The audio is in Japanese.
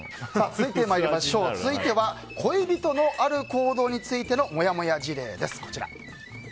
続いては恋人のある行動についてのモヤモヤ事例です。